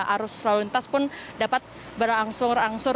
arus lalu lintas pun dapat berangsur angsur